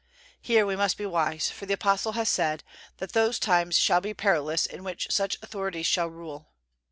Here we must be wise; for the Apostle has said, that those times shall be perilous in which such authorities shall rule.